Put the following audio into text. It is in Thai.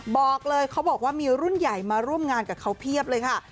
บอกเลยเขาบอกว่ามีรุ่นใหญ่มาร่วมงานกับเขาเพียบเลยค่ะ